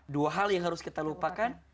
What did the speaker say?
dua hal yang harus kita lupakan